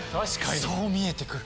そう見えて来る。